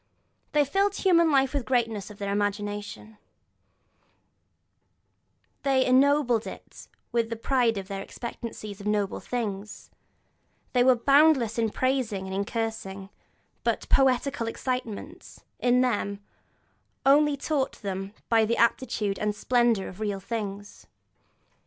They filled human life with the greatness of their imagination, they ennobled it with the pride of their expectancy of noble things, they were boundless in praising and in cursing; but poetical excitement, in them, only taught them the amplitude and splendour of real things.